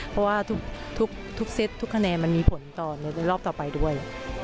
เพราะว่าทุกเซตทุกคะแนนมันมีผลต่อในรอบต่อไปด้วย